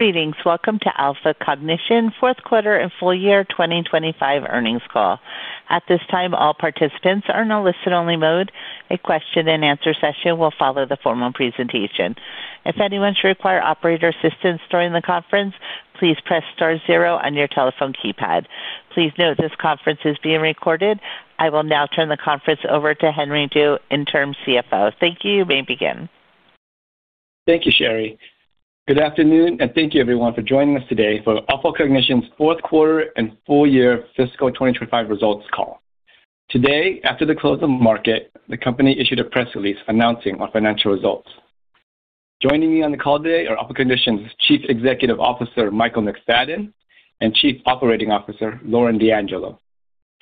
Greetings. Welcome to Alpha Cognition fourth quarter and full year 2025 Earnings call. At this time, all participants are in a listen-only mode. A question-and-answer session will follow the formal presentation. If anyone should require operator assistance during the conference, please Press Star zero on your telephone keypad. Please note this conference is being recorded. I will now turn the conference over to Henry Du, Interim CFO. Thank you. You may begin. Thank you, Sherry. Good afternoon, and thank you everyone for joining us today for Alpha Cognition's fourth quarter and full year fiscal 2025 results call. Today, after the close of market, the company issued a press release announcing our financial results. Joining me on the call today are Alpha Cognition's Chief Executive Officer, Michael McFadden, and Chief Operating Officer, Lauren D'Angelo.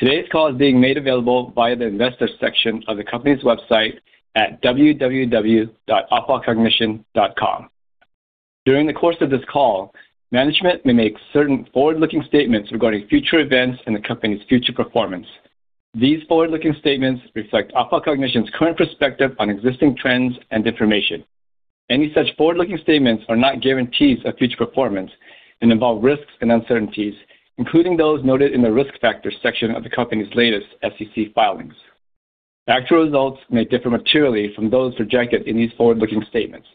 Today's call is being made available via the investors section of the company's website at www.alphacognition.com. During the course of this call, management may make certain forward-looking statements regarding future events and the company's future performance. These forward-looking statements reflect Alpha Cognition's current perspective on existing trends and information. Any such forward-looking statements are not guarantees of future performance and involve risks and uncertainties, including those noted in the risk factors section of the company's latest SEC filings. Actual results may differ materially from those projected in these forward-looking statements.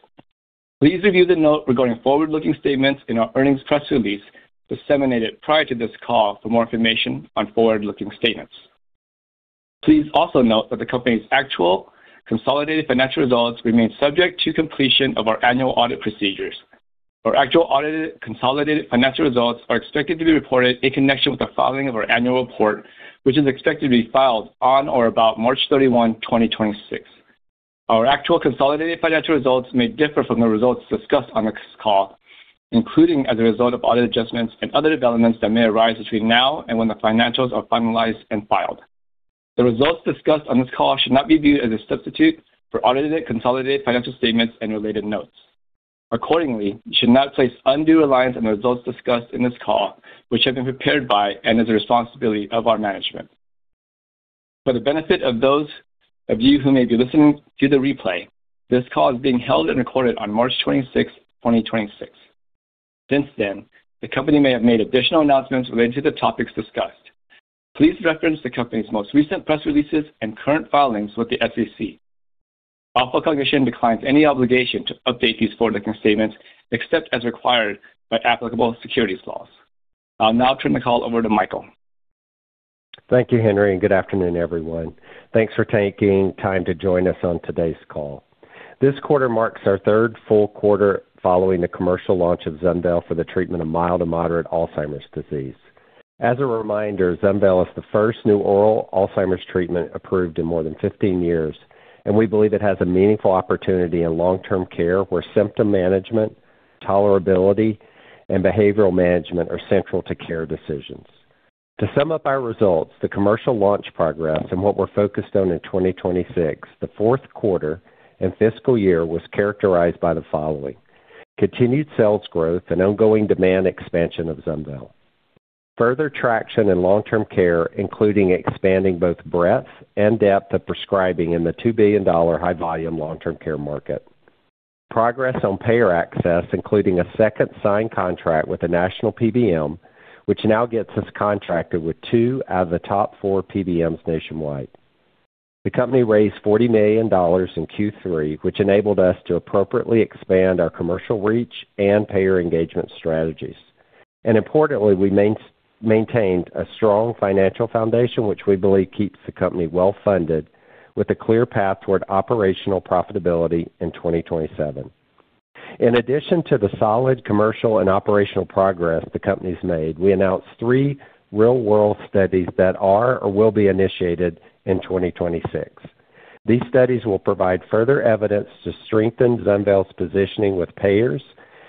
Please review the note regarding forward-looking statements in our earnings press release disseminated prior to this call for more information on forward-looking statements. Please also note that the company's actual consolidated financial results remain subject to completion of our annual audit procedures. Our actual audited consolidated financial results are expected to be reported in connection with the filing of our annual report, which is expected to be filed on or about 31st March 2026. Our actual consolidated financial results may differ from the results discussed on this call, including as a result of audit adjustments and other developments that may arise between now and when the financials are finalized and filed. The results discussed on this call should not be viewed as a substitute for audited consolidated financial statements and related notes. Accordingly, you should not place undue reliance on the results discussed in this call, which have been prepared by management and is the responsibility of our management. For the benefit of those of you who may be listening to the replay, this call is being held and recorded on March twenty-sixth, 2026. Since then, the company may have made additional announcements related to the topics discussed. Please reference the company's most recent press releases and current filings with the SEC. Alpha Cognition declines any obligation to update these forward-looking statements, except as required by applicable securities laws. I'll now turn the call over to Michael. Thank you, Henry, and good afternoon, everyone. Thanks for taking time to join us on today's call. This quarter marks our third full quarter following the commercial launch of ZUNVEYL for the treatment of mild to moderate Alzheimer's disease. As a reminder, ZUNVEYL is the first new oral Alzheimer's treatment approved in more than 15 years, and we believe it has a meaningful opportunity in long-term care, where symptom management, tolerability, and behavioral management are central to care decisions. To sum up our results, the commercial launch progress and what we're focused on in 2026, the fourth quarter and fiscal year was characterized by the following. Continued sales growth and ongoing demand expansion of ZUNVEYL. Further traction in long-term care, including expanding both breadth and depth of prescribing in the $2 billion high-volume long-term care market. Progress on payer access, including a second signed contract with a national PBM, which now gets us contracted with two out of the top four PBMs nationwide. The company raised $40 million in Q3, which enabled us to appropriately expand our commercial reach and payer engagement strategies. Importantly, we maintained a strong financial foundation, which we believe keeps the company well-funded with a clear path toward operational profitability in 2027. In addition to the solid commercial and operational progress the company's made, we announced three real-world studies that are or will be initiated in 2026. These studies will provide further evidence to strengthen ZUNVEYL's positioning with payers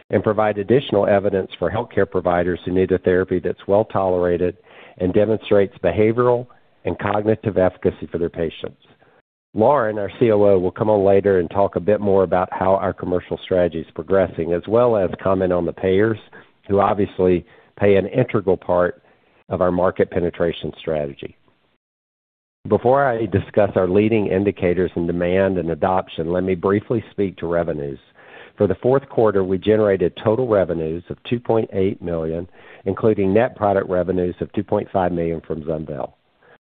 and provide additional evidence for healthcare providers who need a therapy that's well-tolerated and demonstrates behavioral and cognitive efficacy for their patients. Lauren, our COO, will come on later and talk a bit more about how our commercial strategy is progressing, as well as comment on the payers who obviously play an integral part of our market penetration strategy. Before I discuss our leading indicators in demand and adoption, let me briefly speak to revenues. For the fourth quarter, we generated total revenues of $2.8 million, including net product revenues of $2.5 million from ZUNVEYL.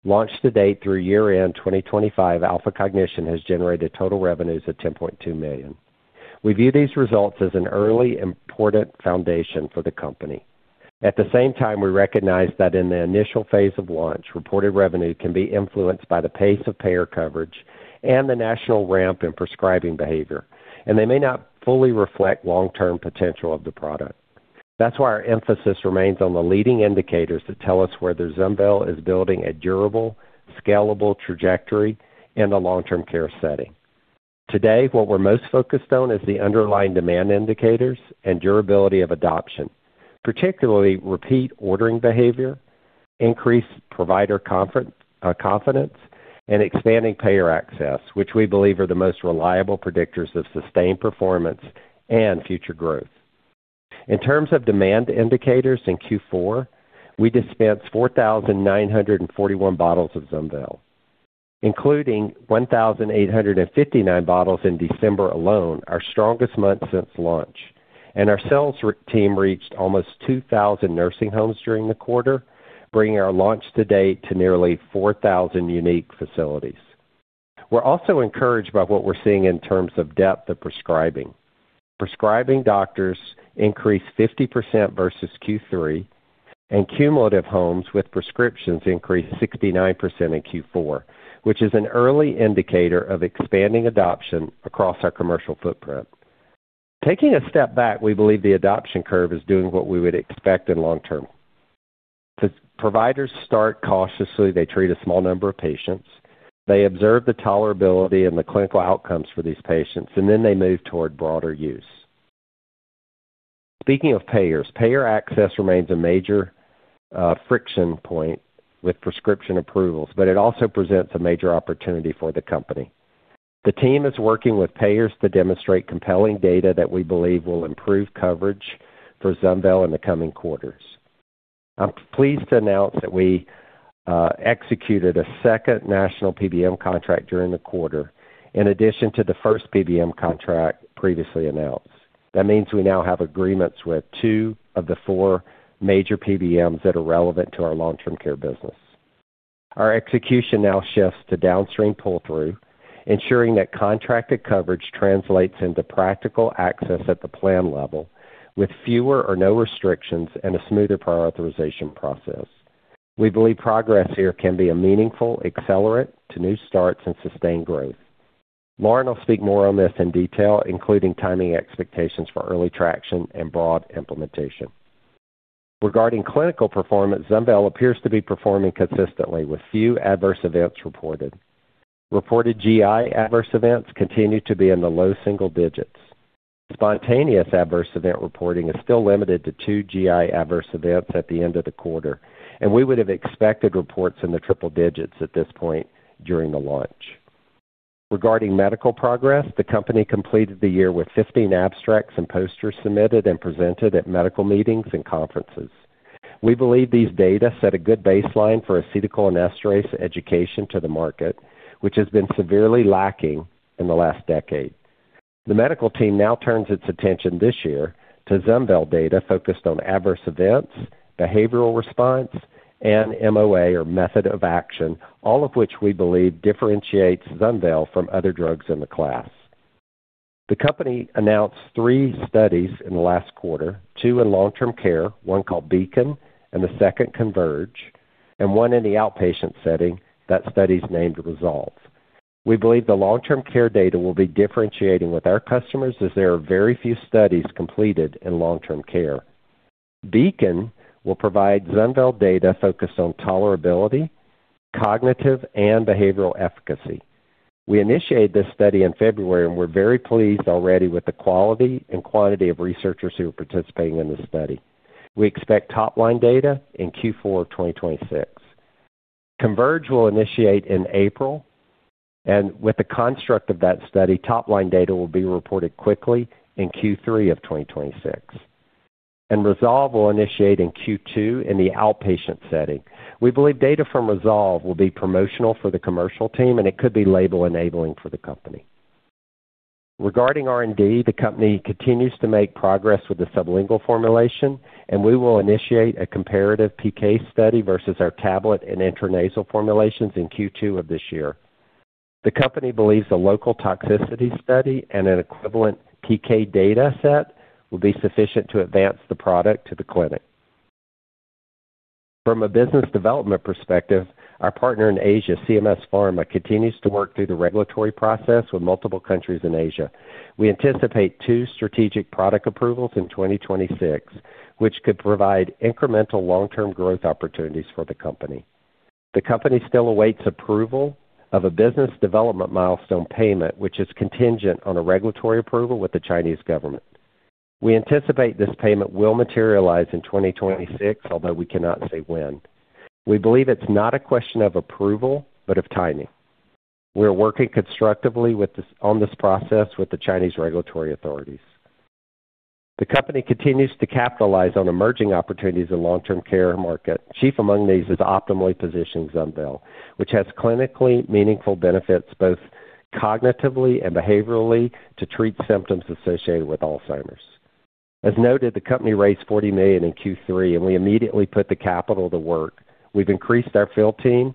Launched to date through year-end 2025, Alpha Cognition has generated total revenues of $10.2 million. We view these results as an early important foundation for the company. At the same time, we recognize that in the initial phase of launch, reported revenue can be influenced by the pace of payer coverage and the national ramp in prescribing behavior, and they may not fully reflect long-term potential of the product. That's why our emphasis remains on the leading indicators that tell us whether ZUNVEYL is building a durable, scalable trajectory in the long-term care setting. Today, what we're most focused on is the underlying demand indicators and durability of adoption, particularly repeat ordering behavior, increased provider confidence, and expanding payer access, which we believe are the most reliable predictors of sustained performance and future growth. In terms of demand indicators, in Q4, we dispensed 4,941 bottles of ZUNVEYL, including 1,859 bottles in December alone, our strongest month since launch. Our sales team reached almost 2,000 nursing homes during the quarter, bringing our launch to date to nearly 4,000 unique facilities. We're also encouraged by what we're seeing in terms of depth of prescribing. Prescribing doctors increased 50% versus Q3, and cumulative homes with prescriptions increased 69% in Q4, which is an early indicator of expanding adoption across our commercial footprint. Taking a step back, we believe the adoption curve is doing what we would expect in long term. The providers start cautiously. They treat a small number of patients. They observe the tolerability and the clinical outcomes for these patients, and then they move toward broader use. Speaking of payers, payer access remains a major friction point with prescription approvals, but it also presents a major opportunity for the company. The team is working with payers to demonstrate compelling data that we believe will improve coverage for ZUNVEYL in the coming quarters. I'm pleased to announce that we executed a second national PBM contract during the quarter, in addition to the first PBM contract previously announced. That means we now have agreements with two of the four major PBMs that are relevant to our long-term care business. Our execution now shifts to downstream pull-through, ensuring that contracted coverage translates into practical access at the plan level with fewer or no restrictions and a smoother prior authorization process. We believe progress here can be a meaningful accelerant to new starts and sustained growth. Lauren will speak more on this in detail, including timing expectations for early traction and broad implementation. Regarding clinical performance, ZUNVEYL appears to be performing consistently with few adverse events reported. Reported GI adverse events continue to be in the low single digits. Spontaneous adverse event reporting is still limited to two GI adverse events at the end of the quarter, and we would have expected reports in the triple digits at this point during the launch. Regarding medical progress, the company completed the year with 15 abstracts and posters submitted and presented at medical meetings and conferences. We believe these data set a good baseline for acetylcholinesterase education to the market, which has been severely lacking in the last decade. The medical team now turns its attention this year to ZUNVEYL data focused on adverse events, behavioral response, and MOA, or mechanism of action, all of which we believe differentiates ZUNVEYL from other drugs in the class. The company announced three studies in the last quarter, two in long-term care, one called BEACON and the second CONVERGE, and one in the outpatient setting. That study is named RESOLVE. We believe the long-term care data will be differentiating with our customers, as there are very few studies completed in long-term care. BEACON will provide ZUNVEYL data focused on tolerability, cognitive, and behavioral efficacy. We initiated this study in February, and we're very pleased already with the quality and quantity of researchers who are participating in this study. We expect top-line data in Q4 of 2026. CONVERGE will initiate in April, and with the construct of that study, top-line data will be reported quickly in Q3 of 2026. RESOLVE will initiate in Q2 in the outpatient setting. We believe data from RESOLVE will be promotional for the commercial team, and it could be label-enabling for the company. Regarding R&D, the company continues to make progress with the sublingual formulation, and we will initiate a comparative PK study versus our tablet and intranasal formulations in Q2 of this year. The company believes the local toxicity study and an equivalent PK data set will be sufficient to advance the product to the clinic. From a business development perspective, our partner in Asia, CMS Pharma, continues to work through the regulatory process with multiple countries in Asia. We anticipate two strategic product approvals in 2026, which could provide incremental long-term growth opportunities for the company. The company still awaits approval of a business development milestone payment, which is contingent on a regulatory approval with the Chinese government. We anticipate this payment will materialize in 2026, although we cannot say when. We believe it's not a question of approval, but of timing. We are working constructively on this process with the Chinese regulatory authorities. The company continues to capitalize on emerging opportunities in long-term care market. Chief among these is optimally positioned ZUNVEYL, which has clinically meaningful benefits, both cognitively and behaviorally, to treat symptoms associated with Alzheimer's. As noted, the company raised $40 million in Q3, and we immediately put the capital to work. We've increased our field team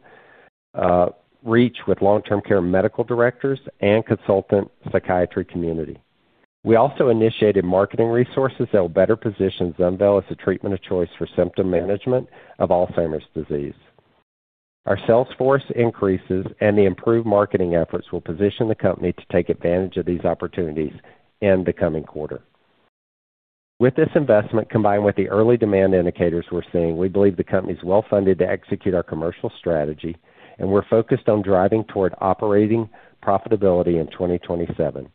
reach with long-term care medical directors and consultant psychiatry community. We also initiated marketing resources that will better position ZUNVEYL as the treatment of choice for symptom management of Alzheimer's disease. Our sales force increases and the improved marketing efforts will position the company to take advantage of these opportunities in the coming quarter. With this investment, combined with the early demand indicators we're seeing, we believe the company is well-funded to execute our commercial strategy, and we're focused on driving toward operating profitability in 2027.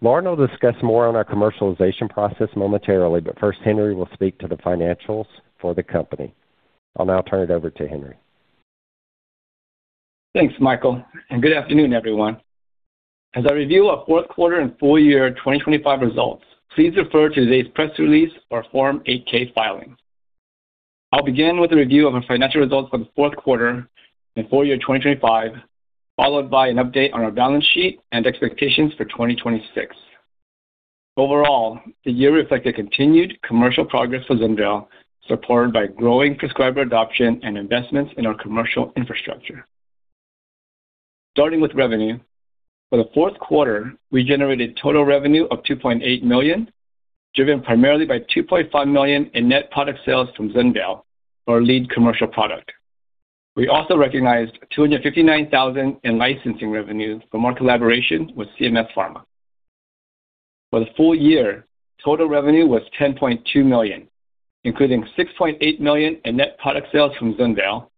Lauren will discuss more on our commercialization process momentarily, but first, Henry will speak to the financials for the company. I'll now turn it over to Henry. Thanks, Michael, and good afternoon, everyone. As I review our fourth quarter and full year 2025 results, please refer to today's press release or Form 8-K filings. I'll begin with a review of our financial results for the fourth quarter and full year 2025, followed by an update on our balance sheet and expectations for 2026. Overall, the year reflected continued commercial progress for ZUNVEYL, supported by growing prescriber adoption and investments in our commercial infrastructure. Starting with revenue. For the fourth quarter, we generated total revenue of $2.8 million, driven primarily by $2.5 million in net product sales from ZUNVEYL, our lead commercial product. We also recognized $259,000 in licensing revenue from our collaboration with CMS Pharma. For the full year, total revenue was $10.2 million, including $6.8 million in net product sales from ZUNVEYL.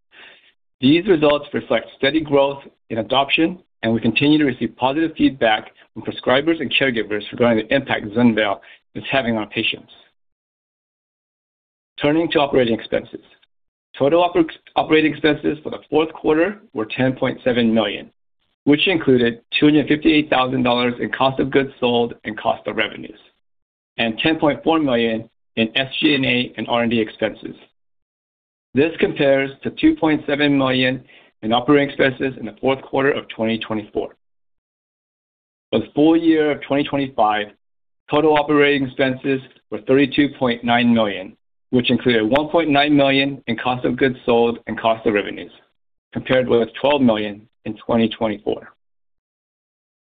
These results reflect steady growth in adoption, and we continue to receive positive feedback from prescribers and caregivers regarding the impact ZUNVEYL is having on patients. Turning to operating expenses. Total operating expenses for the fourth quarter were $10.7 million, which included $258,000 in cost of goods sold and cost of revenues and $10.4 million in SG&A and R&D expenses. This compares to $2.7 million in operating expenses in the fourth quarter of 2024. For the full year of 2025, total operating expenses were $32.9 million, which included $1.9 million in cost of goods sold and cost of revenues, compared with $12 million in 2024.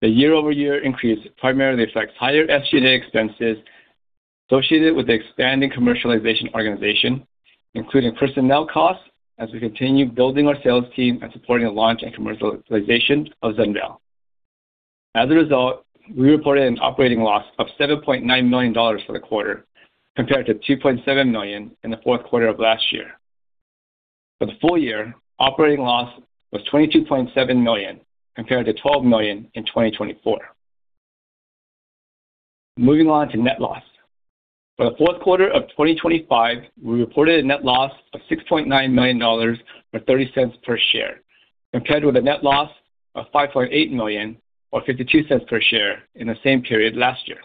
The year-over-year increase primarily affects higher SG&A expenses associated with the expanding commercialization organization, including personnel costs as we continue building our sales team and supporting the launch and commercialization of ZUNVEYL. As a result, we reported an operating loss of $7.9 million for the quarter, compared to $2.7 million in the fourth quarter of last year. For the full year, operating loss was $22.7 million, compared to $12 million in 2024. Moving on to net loss. For the fourth quarter of 2025, we reported a net loss of $6.9 million, or $0.30 per share, compared with a net loss of $5.8 million or $0.52 per share in the same period last year.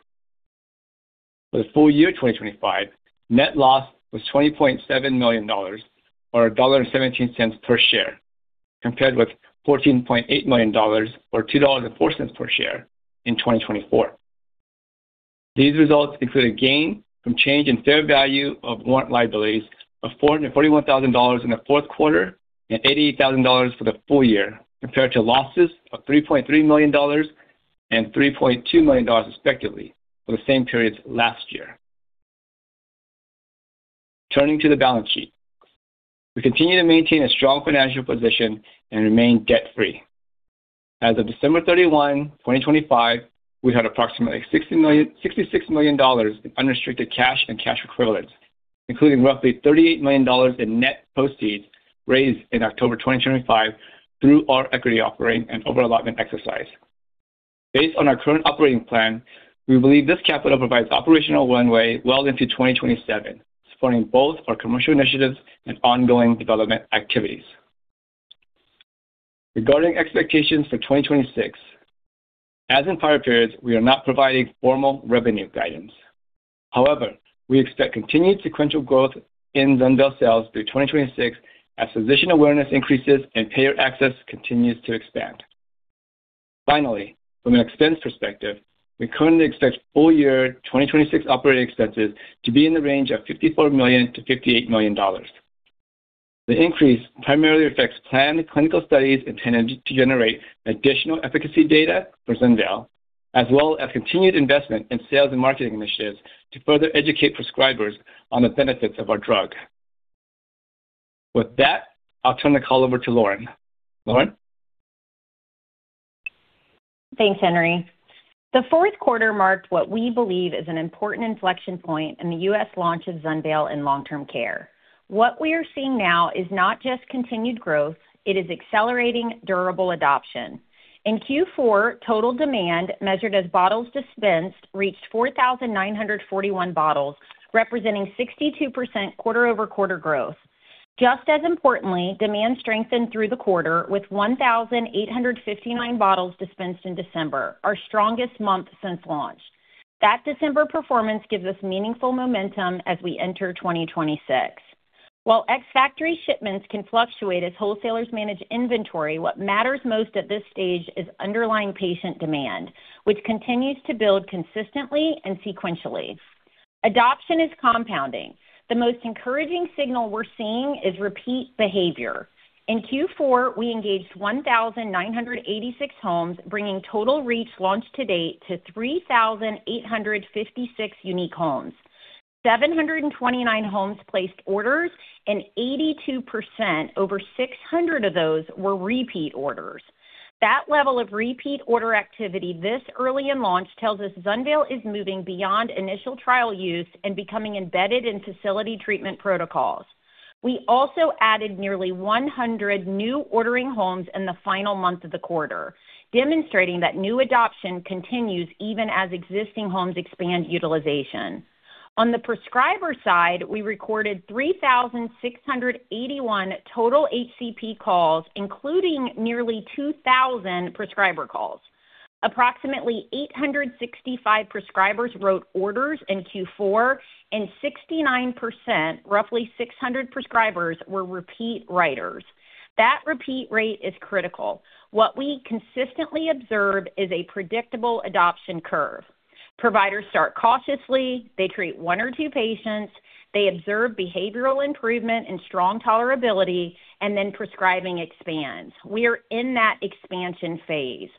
For the full year 2025, net loss was $20.7 million or $1.17 per share, compared with $14.8 million or $2.04 per share in 2024. These results include a gain from change in fair value of warrant liabilities of $441,000 in the fourth quarter and $88,000 for the full year, compared to losses of $3.3 million and $3.2 million, respectively, for the same periods last year. Turning to the balance sheet. We continue to maintain a strong financial position and remain debt-free. As of December 31, 2025, we had approximately $66 million in unrestricted cash and cash equivalents, including roughly $38 million in net proceeds raised in October 2025 through our equity offering and overallotment exercise. Based on our current operating plan, we believe this capital provides operational runway well into 2027, supporting both our commercial initiatives and ongoing development activities. Regarding expectations for 2026, as in prior periods, we are not providing formal revenue guidance. However, we expect continued sequential growth in ZUNVEYL sales through 2026 as physician awareness increases and payer access continues to expand. Finally, from an expense perspective, we currently expect full year 2026 operating expenses to be in the range of $54 million-$58 million. The increase primarily affects planned clinical studies intended to generate additional efficacy data for ZUNVEYL, as well as continued investment in sales and marketing initiatives to further educate prescribers on the benefits of our drug. With that, I'll turn the call over to Lauren. Lauren? Thanks, Henry. The fourth quarter marked what we believe is an important inflection point in the U.S. launch of ZUNVEYL in long-term care. What we are seeing now is not just continued growth. It is accelerating durable adoption. In Q4, total demand, measured as bottles dispensed, reached 4,941 bottles, representing 62% quarter-over-quarter growth. Just as importantly, demand strengthened through the quarter with 1,859 bottles dispensed in December, our strongest month since launch. That December performance gives us meaningful momentum as we enter 2026. While ex-factory shipments can fluctuate as wholesalers manage inventory, what matters most at this stage is underlying patient demand, which continues to build consistently and sequentially. Adoption is compounding. The most encouraging signal we're seeing is repeat behavior. In Q4, we engaged 1,986 homes, bringing total reach launched to date to 3,856 unique homes. 729 homes placed orders, and 82%, over 600 of those, were repeat orders. That level of repeat order activity this early in launch tells us ZUNVEYL is moving beyond initial trial use and becoming embedded in facility treatment protocols. We also added nearly 100 new ordering homes in the final month of the quarter, demonstrating that new adoption continues even as existing homes expand utilization. On the prescriber side, we recorded 3,681 total HCP calls, including nearly 2,000 prescriber calls. Approximately 865 prescribers wrote orders in Q4, and 69%, roughly 600 prescribers, were repeat writers. That repeat rate is critical. What we consistently observe is a predictable adoption curve. Providers start cautiously. They treat one or two patients. They observe behavioral improvement and strong tolerability, and then prescribing expands. We are in that expansion phase.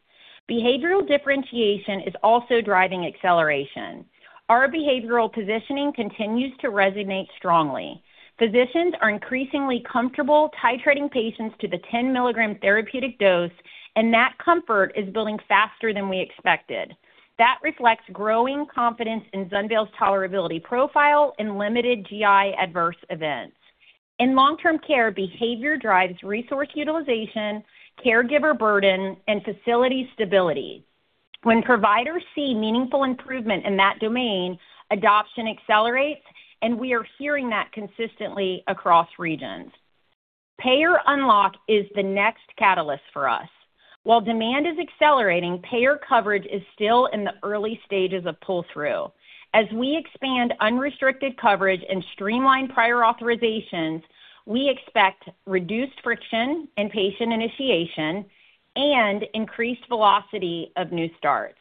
Behavioral differentiation is also driving acceleration. Our behavioral positioning continues to resonate strongly. Physicians are increasingly comfortable titrating patients to the 10 mg therapeutic dose, and that comfort is building faster than we expected. That reflects growing confidence in ZUNVEYL's tolerability profile and limited GI adverse events. In long-term care, behavior drives resource utilization, caregiver burden, and facility stability. When providers see meaningful improvement in that domain, adoption accelerates, and we are hearing that consistently across regions. Payer unlock is the next catalyst for us. While demand is accelerating, payer coverage is still in the early stages of pull-through. As we expand unrestricted coverage and streamline prior authorizations, we expect reduced friction in patient initiation and increased velocity of new starts.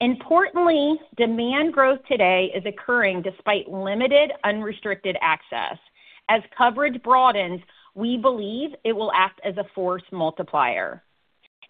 Importantly, demand growth today is occurring despite limited unrestricted access. As coverage broadens, we believe it will act as a force multiplier.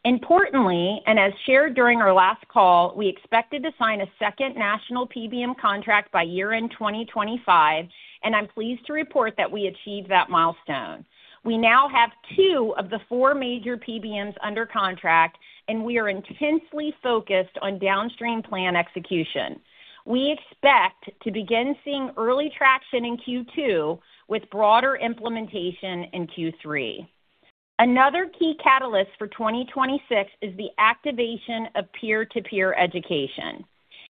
Importantly, and as shared during our last call, we expected to sign a second national PBM contract by year-end 2025, and I'm pleased to report that we achieved that milestone. We now have two of the four major PBMs under contract, and we are intensely focused on downstream plan execution. We expect to begin seeing early traction in Q2 with broader implementation in Q3. Another key catalyst for 2026 is the activation of peer-to-peer education.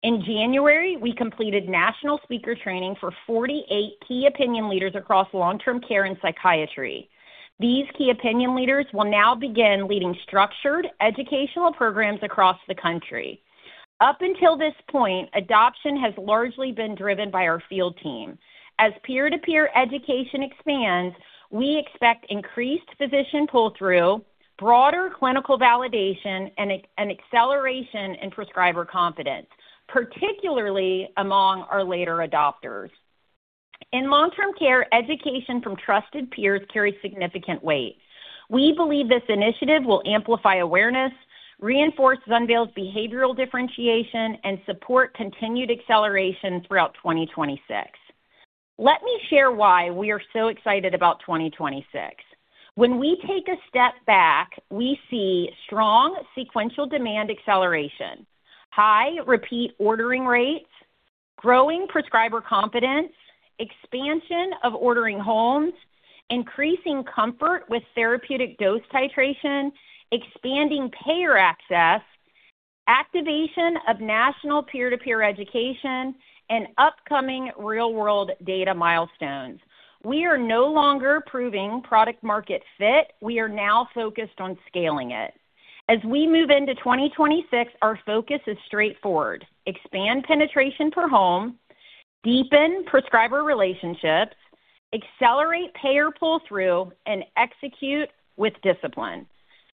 In January, we completed national speaker training for 48 key opinion leaders across long-term care and psychiatry. These key opinion leaders will now begin leading structured educational programs across the country. Up until this point, adoption has largely been driven by our field team. As peer-to-peer education expands, we expect increased physician pull-through, broader clinical validation, and acceleration in prescriber confidence, particularly among our later adopters. In long-term care, education from trusted peers carries significant weight. We believe this initiative will amplify awareness, reinforce ZUNVEYL's behavioral differentiation, and support continued acceleration throughout 2026. Let me share why we are so excited about 2026. When we take a step back, we see strong sequential demand acceleration, high repeat ordering rates, growing prescriber confidence, expansion of ordering homes, increasing comfort with therapeutic dose titration, expanding payer access, activation of national peer-to-peer education, and upcoming real-world data milestones. We are no longer proving product-market fit. We are now focused on scaling it. As we move into 2026, our focus is straightforward: expand penetration per home, deepen prescriber relationships, accelerate payer pull-through, and execute with discipline.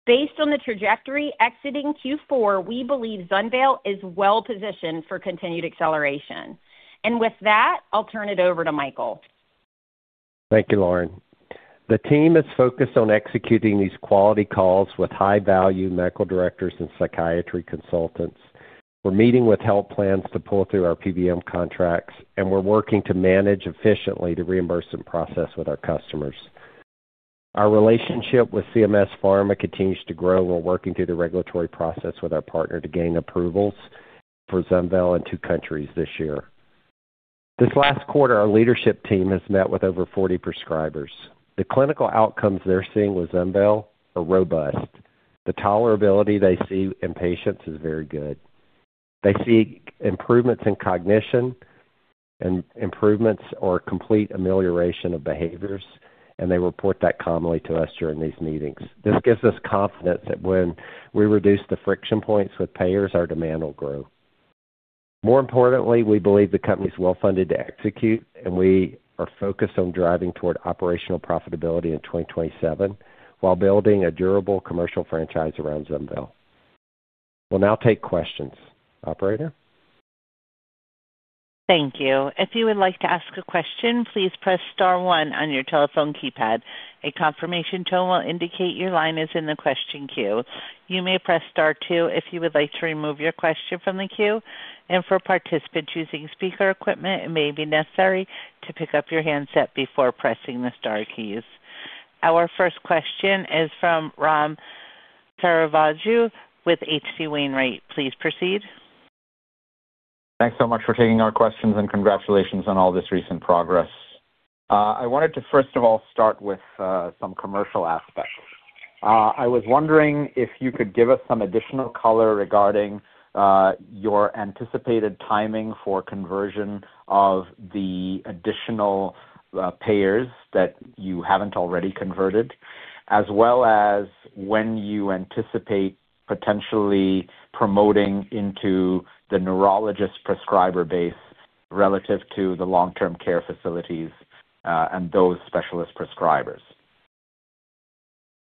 Based on the trajectory exiting Q4, we believe ZUNVEYL is well positioned for continued acceleration. With that, I'll turn it over to Michael. Thank you, Lauren. The team is focused on executing these quality calls with high-value medical directors and psychiatry consultants. We're meeting with health plans to pull through our PBM contracts, and we're working to manage efficiently the reimbursement process with our customers. Our relationship with CMS Pharma continues to grow. We're working through the regulatory process with our partner to gain approvals for ZUNVEYL in two countries this year. This last quarter, our leadership team has met with over 40 prescribers. The clinical outcomes they're seeing with ZUNVEYL are robust. The tolerability they see in patients is very good. They see improvements in cognition and improvements or complete amelioration of behaviors, and they report that commonly to us during these meetings. This gives us confidence that when we reduce the friction points with payers, our demand will grow. More importantly, we believe the company is well-funded to execute, and we are focused on driving toward operational profitability in 2027 while building a durable commercial franchise around ZUNVEYL. We'll now take questions. Operator? Thank you. If you would like to ask a question, please press star one on your telephone keypad. A confirmation tone will indicate your line is in the question queue. You may press star two if you would like to remove your question from the queue. For participants using speaker equipment, it may be necessary to pick up your handset before pressing the star keys. Our first question is from Ram Selvaraju with H.C. Wainwright. Please proceed. Thanks so much for taking our questions, and congratulations on all this recent progress. I wanted to, first of all, start with, some commercial aspects. I was wondering if you could give us some additional color regarding your anticipated timing for conversion of the additional, payers that you haven't already converted, as well as when you anticipate potentially promoting into the neurologist prescriber base relative to the long-term care facilities, and those specialist prescribers?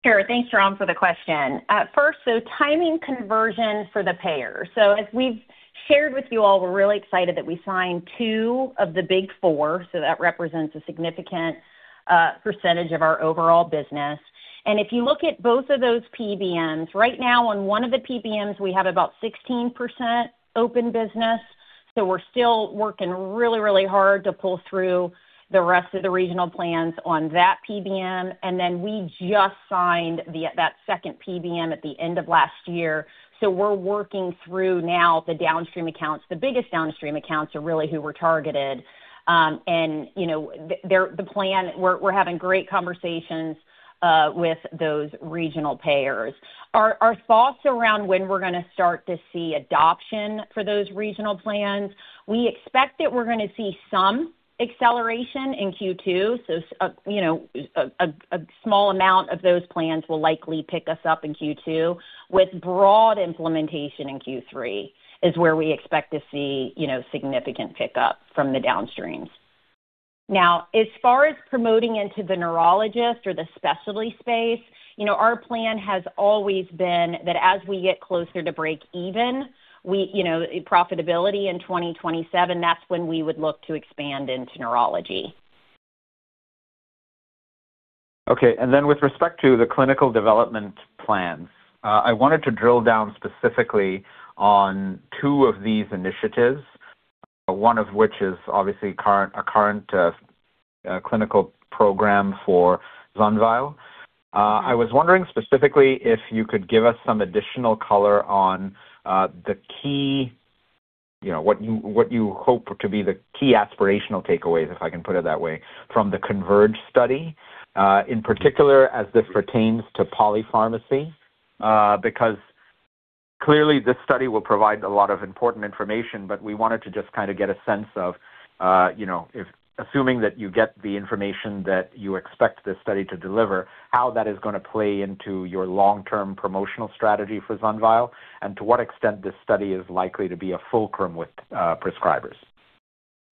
Sure. Thanks, Ram Selvaraju, for the question. First, timing conversion for the payer. As we've shared with you all, we're really excited that we signed two of the big four, so that represents a significant percentage of our overall business. If you look at both of those PBMs, right now on one of the PBMs, we have about 16% open business. We're still working really, really hard to pull through the rest of the regional plans on that PBM. We just signed that second PBM at the end of last year. We're working through now the downstream accounts. The biggest downstream accounts are really who we're targeting. You know, we're having great conversations with those regional payers. Our thoughts around when we're gonna start to see adoption for those regional plans, we expect that we're gonna see some acceleration in Q2, you know, a small amount of those plans will likely pick us up in Q2 with broad implementation in Q3 is where we expect to see, you know, significant pickup from the downstreams. Now, as far as promoting into the neurologist or the specialty space, you know, our plan has always been that as we get closer to break even, we, you know, profitability in 2027, that's when we would look to expand into neurology. Okay. Then with respect to the clinical development plans, I wanted to drill down specifically on two of these initiatives, one of which is obviously current clinical program for ZUNVEYL. I was wondering specifically if you could give us some additional color on the key, you know, what you hope to be the key aspirational takeaways, if I can put it that way, from the CONVERGE study, in particular as this pertains to polypharmacy. Because clearly this study will provide a lot of important information, but we wanted to just kind of get a sense of, you know, if assuming that you get the information that you expect this study to deliver, how that is gonna play into your long-term promotional strategy for ZUNVEYL, and to what extent this study is likely to be a fulcrum with prescribers?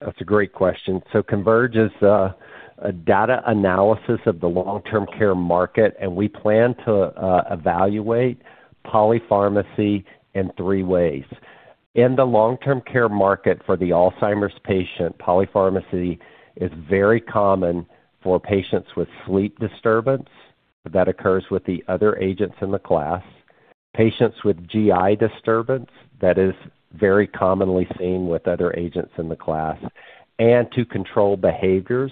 That's a great question. Converge is a data analysis of the long-term care market, and we plan to evaluate polypharmacy in three ways. In the long-term care market for the Alzheimer's patient, polypharmacy is very common for patients with sleep disturbance that occurs with the other agents in the class. Patients with GI disturbance, that is very commonly seen with other agents in the class. To control behaviors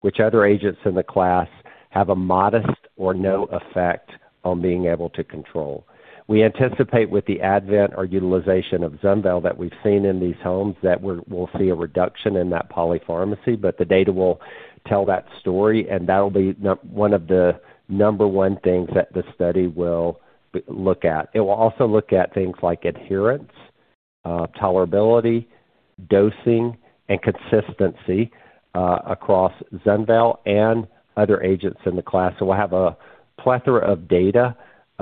which other agents in the class have a modest or no effect on being able to control. We anticipate with the advent or utilization of ZUNVEYL that we've seen in these homes that we'll see a reduction in that polypharmacy, but the data will tell that story, and that'll be one of the number one things that the study will look at. It will also look at things like adherence, tolerability, dosing, and consistency across ZUNVEYL and other agents in the class. We'll have a plethora of data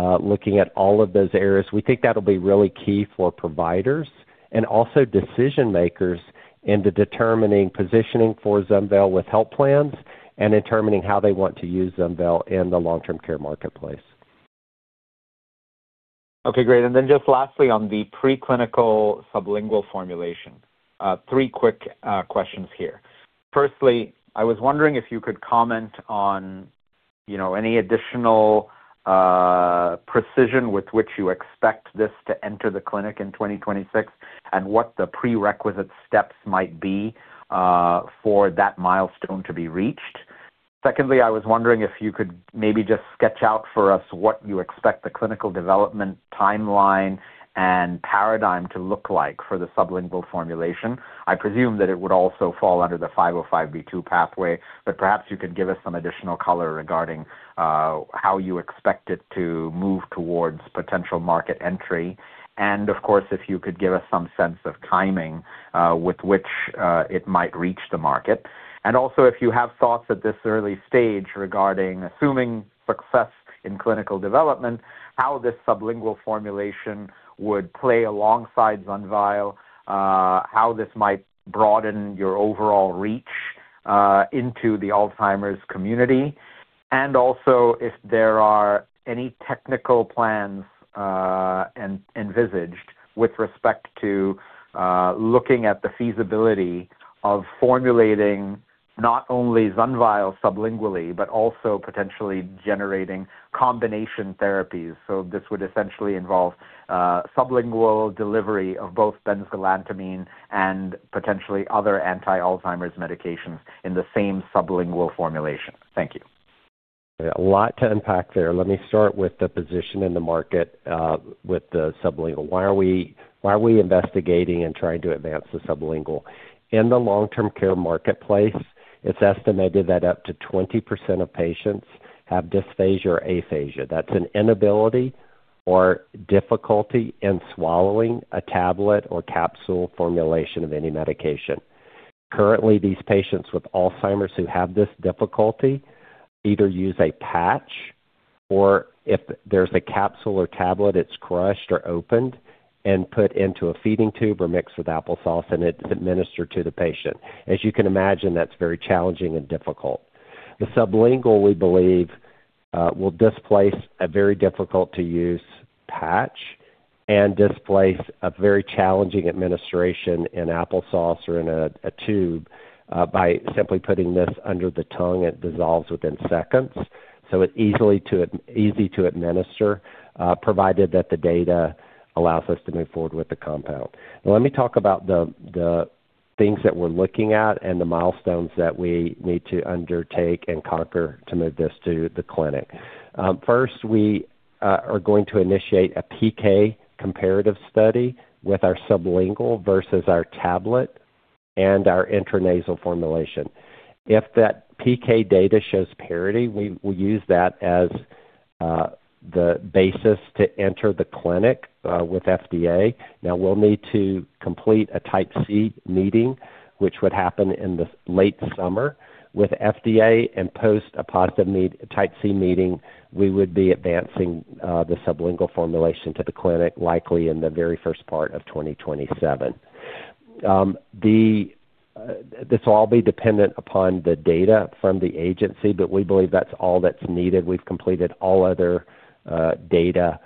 looking at all of those areas. We think that'll be really key for providers and also decision-makers into determining positioning for ZUNVEYL with health plans and determining how they want to use ZUNVEYL in the long-term care marketplace. Okay, great. Just lastly, on the preclinical sublingual formulation, three quick questions here. Firstly, I was wondering if you could comment on, you know, any additional precision with which you expect this to enter the clinic in 2026 and what the prerequisite steps might be for that milestone to be reached. Secondly, I was wondering if you could maybe just sketch out for us what you expect the clinical development timeline and paradigm to look like for the sublingual formulation. I presume that it would also fall under the 505(b)(2) pathway, but perhaps you could give us some additional color regarding how you expect it to move towards potential market entry. Of course, if you could give us some sense of timing with which it might reach the market. If you have thoughts at this early stage regarding assuming success in clinical development, how this sublingual formulation would play alongside ZUNVEYL, how this might broaden your overall reach into the Alzheimer's community. If there are any technical plans envisaged with respect to looking at the feasibility of formulating not only ZUNVEYL sublingually, but also potentially generating combination therapies. This would essentially involve sublingual delivery of both benzylamine and potentially other anti-Alzheimer's medications in the same sublingual formulation. Thank you. A lot to unpack there. Let me start with the position in the market with the sublingual. Why are we investigating and trying to advance the sublingual? In the long-term care marketplace, it's estimated that up to 20% of patients have dysphagia or aphasia. That's an inability or difficulty in swallowing a tablet or capsule formulation of any medication. Currently, these patients with Alzheimer's who have this difficulty either use a patch or if there's a capsule or tablet it's crushed or opened and put into a feeding tube or mixed with applesauce, and it's administered to the patient. As you can imagine, that's very challenging and difficult. The sublingual, we believe, will displace a very difficult-to-use patch and displace a very challenging administration in applesauce or in a tube by simply putting this under the tongue, it dissolves within seconds. It is easy to administer, provided that the data allows us to move forward with the compound. Let me talk about the things that we're looking at and the milestones that we need to undertake and conquer to move this to the clinic. First, we are going to initiate a PK comparative study with our sublingual versus our tablet and our intranasal formulation. If that PK data shows parity, we will use that as the basis to enter the clinic with FDA. Now, we'll need to complete a Type C meeting, which would happen in the late summer with FDA and post a positive Type C meeting, we would be advancing the sublingual formulation to the clinic, likely in the very first part of 2027. This will all be dependent upon the data from the agency, but we believe that's all that's needed. We've completed all other data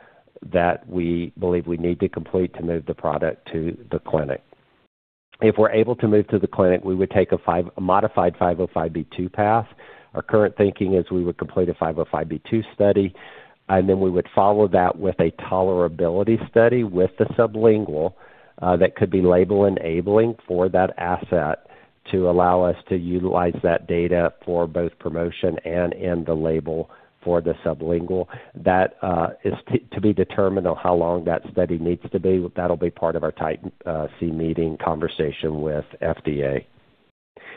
that we believe we need to complete to move the product to the clinic. If we're able to move to the clinic, we would take a modified 505(b)(2) path. Our current thinking is we would complete a 505(b)(2) study, and then we would follow that with a tolerability study with the sublingual that could be label-enabling for that asset to allow us to utilize that data for both promotion and in the label for the sublingual. That is to be determined on how long that study needs to be. That'll be part of our Type C meeting conversation with FDA.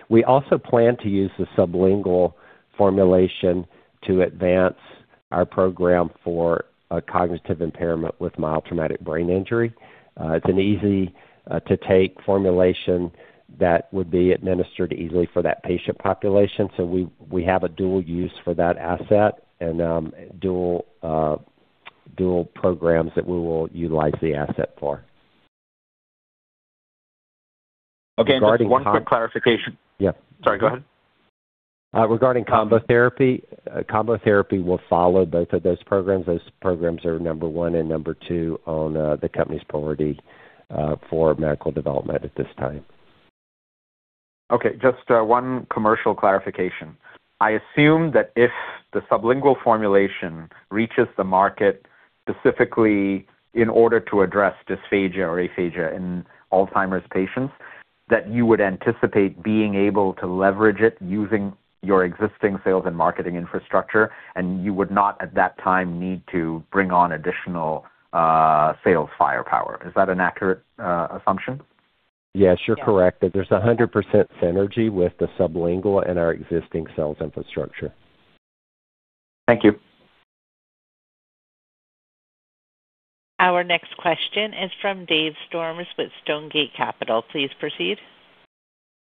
We also plan to use the sublingual formulation to advance our program for cognitive impairment with mild traumatic brain injury. It's an easy to take formulation that would be administered easily for that patient population. We have a dual use for that asset and dual programs that we will utilize the asset for. Okay. Regarding con- Just one quick clarification. Yeah. Sorry, go ahead. Regarding combo therapy will follow both of those programs. Those programs are number one and number two on the company's priority for medical development at this time. Okay. Just one commercial clarification. I assume that if the sublingual formulation reaches the market, specifically in order to address dysphagia or aphasia in Alzheimer's patients, that you would anticipate being able to leverage it using your existing sales and marketing infrastructure, and you would not, at that time, need to bring on additional sales firepower. Is that an accurate assumption? Yes, you're correct. There's 100% synergy with the sublingual and our existing sales infrastructure. Thank you. Our next question is from Dave Storms with Stonegate Capital. Please proceed.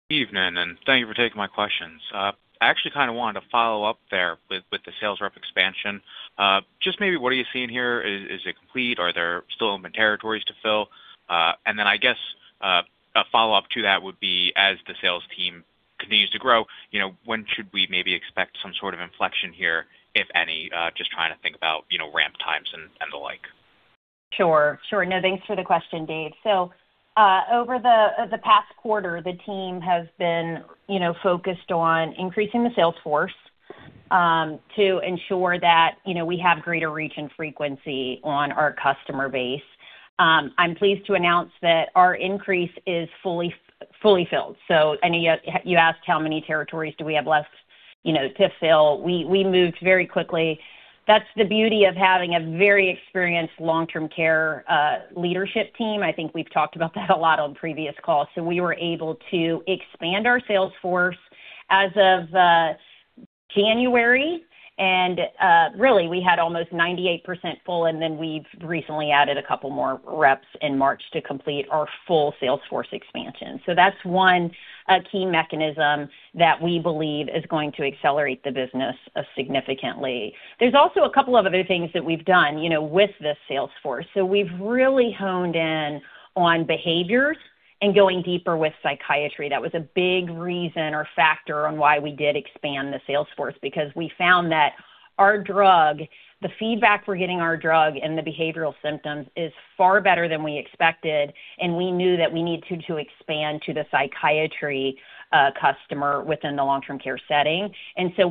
Evening. Thank you for taking my questions. I actually kind of wanted to follow up there with the sales rep expansion. Just maybe what are you seeing here? Is it complete? Are there still open territories to fill? I guess a follow-up to that would be as the sales team continues to grow, you know, when should we maybe expect some sort of inflection here, if any? Just trying to think about, you know, ramp times and the like. Sure. No, thanks for the question, Dave. Over the past quarter, the team has been, you know, focused on increasing the sales force to ensure that, you know, we have greater reach and frequency on our customer base. I'm pleased to announce that our increase is fully filled. You asked how many territories do we have left, you know, to fill. We moved very quickly. That's the beauty of having a very experienced long-term care leadership team. I think we've talked about that a lot on previous calls. We were able to expand our sales force as of January. Really, we had almost 98% full, and then we've recently added a couple more reps in March to complete our full sales force expansion. That's one key mechanism that we believe is going to accelerate the business significantly. There's also a couple of other things that we've done, you know, with this sales force. We've really honed in on behaviors and going deeper with psychiatry. That was a big reason or factor on why we did expand the sales force, because we found that our drug, the feedback we're getting on our drug and the behavioral symptoms is far better than we expected, and we knew that we needed to expand to the psychiatry customer within the long-term care setting.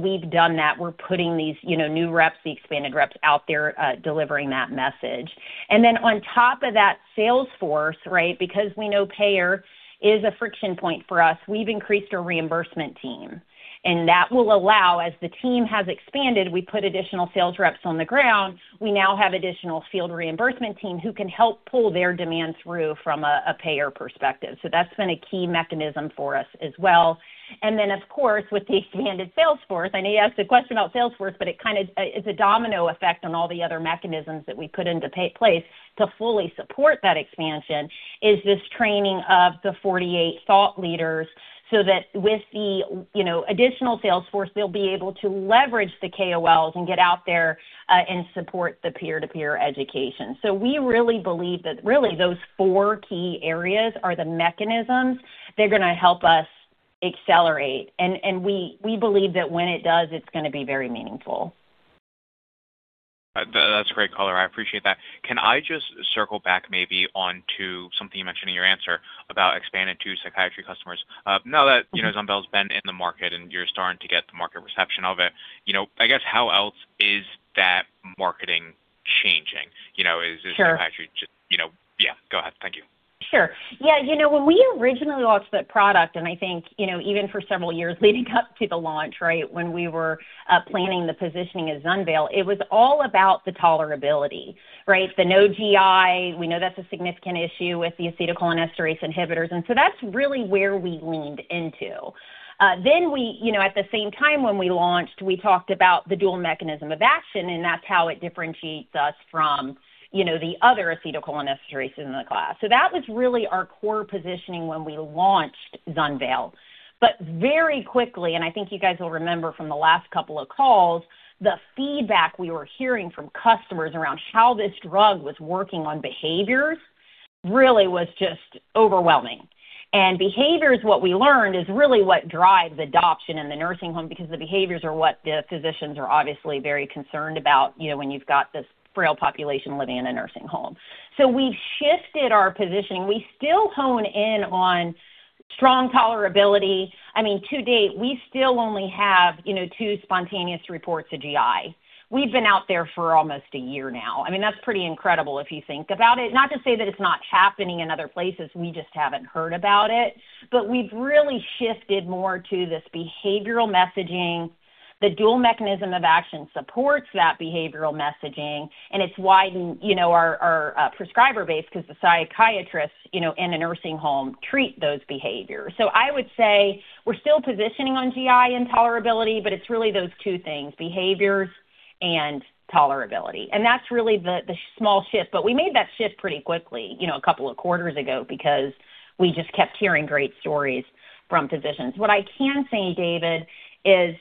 We've done that. We're putting these, you know, new reps, the expanded reps out there delivering that message. On top of that sales force, right, because we know payer is a friction point for us, we've increased our reimbursement team. That will allow, as the team has expanded, we put additional sales reps on the ground. We now have additional field reimbursement team who can help pull their demands through from a payer perspective. That's been a key mechanism for us as well. Of course, with the expanded sales force, I know you asked a question about sales force, but it's a domino effect on all the other mechanisms that we put into place to fully support that expansion is this training of the 48 thought leaders so that with the you know additional sales force, they'll be able to leverage the KOLs and get out there and support the peer-to-peer education. We really believe that really those four key areas are the mechanisms that are gonna help us accelerate. We believe that when it does, it's gonna be very meaningful. That's great, Lauren D'Angelo. I appreciate that. Can I just circle back maybe onto something you mentioned in your answer about expanding to psychiatry customers? Now that, you know, ZUNVEYL's been in the market and you're starting to get the market reception of it, you know, I guess how else is that marketing changing? You know, is- Sure. You know. Yeah, go ahead. Thank you. Sure. Yeah, you know, when we originally launched that product, and I think, you know, even for several years leading up to the launch, right, when we were planning the positioning of ZUNVEYL, it was all about the tolerability, right? The no GI. We know that's a significant issue with the acetylcholinesterase inhibitors, and so that's really where we leaned into. Then we, you know, at the same time when we launched, we talked about the dual mechanism of action, and that's how it differentiates us from, you know, the other acetylcholinesterase in the class. So that was really our core positioning when we launched ZUNVEYL. But very quickly, and I think you guys will remember from the last couple of calls, the feedback we were hearing from customers around how this drug was working on behaviors really was just overwhelming. Behaviors, what we learned, is really what drives adoption in the nursing home because the behaviors are what the physicians are obviously very concerned about, you know, when you've got this frail population living in a nursing home. We've shifted our positioning. We still hone in on strong tolerability. I mean, to date, we still only have, you know, two spontaneous reports of GI. We've been out there for almost a year now. I mean, that's pretty incredible if you think about it. Not to say that it's not happening in other places, we just haven't heard about it. We've really shifted more to this behavioral messaging. The dual mechanism of action supports that behavioral messaging, and it's widened, you know, our prescriber base because the psychiatrists, you know, in a nursing home treat those behaviors. I would say we're still positioning on GI intolerability, but it's really those two things, behaviors and tolerability. That's really the small shift, but we made that shift pretty quickly, you know, a couple of quarters ago because we just kept hearing great stories from physicians. What I can say, Dave, is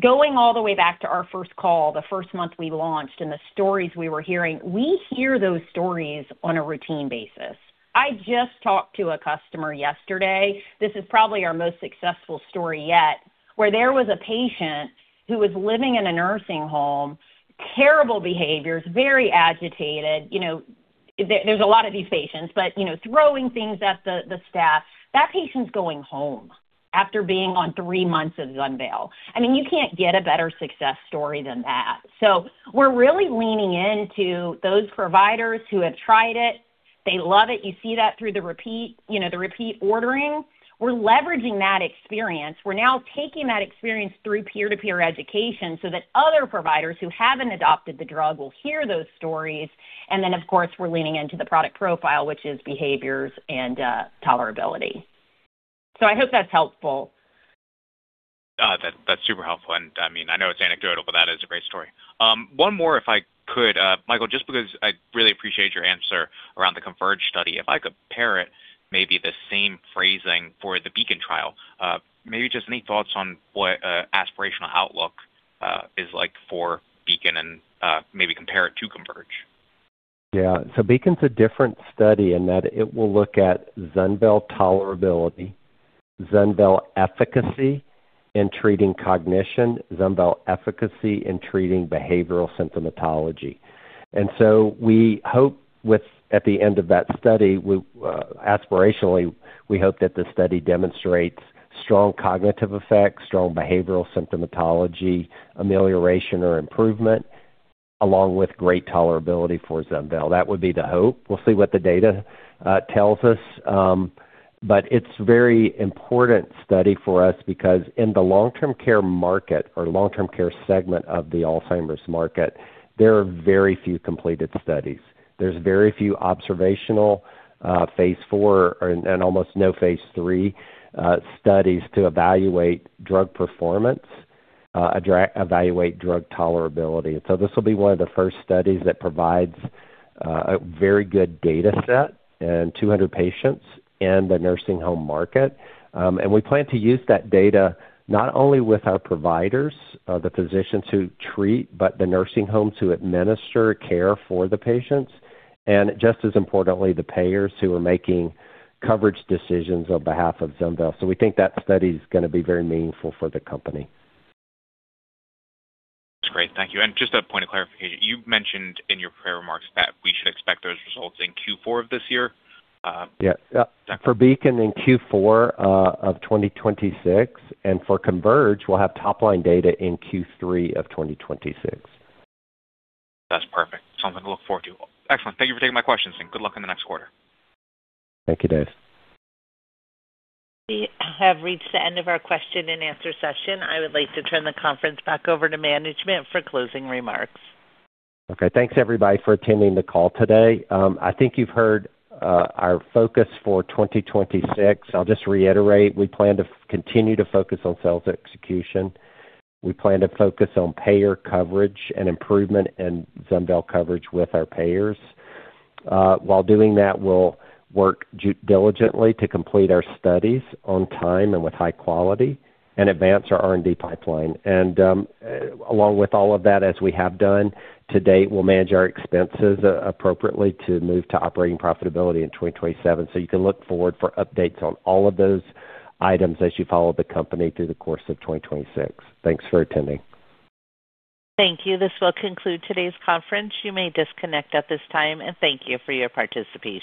going all the way back to our first call, the first month we launched and the stories we were hearing, we hear those stories on a routine basis. I just talked to a customer yesterday, this is probably our most successful story yet, where there was a patient who was living in a nursing home, terrible behaviors, very agitated, you know, there's a lot of these patients, but, you know, throwing things at the staff. That patient's going home after being on three months of ZUNVEYL. I mean, you can't get a better success story than that. We're really leaning into those providers who have tried it. They love it. You see that through the repeat, you know, the repeat ordering. We're leveraging that experience. We're now taking that experience through peer-to-peer education so that other providers who haven't adopted the drug will hear those stories. Then, of course, we're leaning into the product profile, which is behaviors and tolerability. I hope that's helpful. That's super helpful. I mean, I know it's anecdotal, but that is a great story. One more if I could, Michael, just because I really appreciate your answer around the CONVERGE study. If I could pair it maybe the same phrasing for the BEACON trial, maybe just any thoughts on what an aspirational outlook is like for BEACON and maybe compare it to CONVERGE. BEACON's a different study in that it will look at ZUNVEYL tolerability, ZUNVEYL efficacy in treating cognition, ZUNVEYL efficacy in treating behavioral symptomatology. At the end of that study, aspirationally, we hope that the study demonstrates strong cognitive effects, strong behavioral symptomatology amelioration or improvement, along with great tolerability for ZUNVEYL. That would be the hope. We'll see what the data tells us. It's a very important study for us because in the long-term care market or long-term care segment of the Alzheimer's market, there are very few completed studies. There's very few observational phase IV and almost no phase III studies to evaluate drug tolerability. This will be one of the first studies that provides a very good data set in 200 patients in the nursing home market. We plan to use that data not only with our providers, the physicians who treat, but the nursing homes who administer care for the patients, and just as importantly, the payers who are making coverage decisions on behalf of ZUNVEYL. We think that study is gonna be very meaningful for the company. That's great. Thank you. Just a point of clarification. You mentioned in your prior remarks that we should expect those results in Q4 of this year. Yeah. For BEACON in Q4 of 2026, and for CONVERGE, we'll have top-line data in Q3 of 2026. That's perfect. Something to look forward to. Excellent. Thank you for taking my questions, and good luck in the next quarter. Thank you, Dave. We have reached the end of our question and answer session. I would like to turn the conference back over to management for closing remarks. Okay. Thanks, everybody, for attending the call today. I think you've heard our focus for 2026. I'll just reiterate, we plan to continue to focus on sales execution. We plan to focus on payer coverage and improvement in ZUNVEYL coverage with our payers. While doing that, we'll work diligently to complete our studies on time and with high quality and advance our R&D pipeline. Along with all of that, as we have done to date, we'll manage our expenses appropriately to move to operating profitability in 2027. You can look forward for updates on all of those items as you follow the company through the course of 2026. Thanks for attending. Thank you. This will conclude today's conference. You may disconnect at this time, and thank you for your participation.